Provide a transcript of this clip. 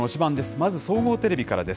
まず総合テレビからです。